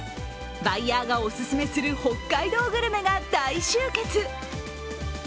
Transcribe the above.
バイヤーがお勧めする北海道グルメが大集結。